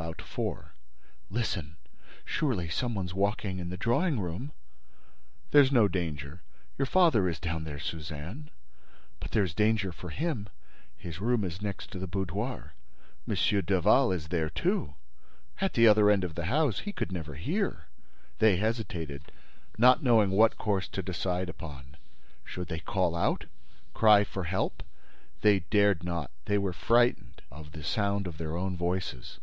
"About four." "Listen! Surely, some one's walking in the drawing room!" "There's no danger, your father is down there, Suzanne." "But there is danger for him. His room is next to the boudoir." "M. Daval is there too—" "At the other end of the house. He could never hear." They hesitated, not knowing what course to decide upon. Should they call out? Cry for help? They dared not; they were frightened of the sound of their own voices.